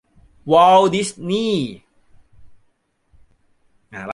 วอลต์ ดิสนีย์